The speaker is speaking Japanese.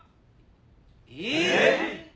えっ！？